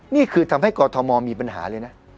นี่คือทำให้กอทมมีปัญหาเลยนะ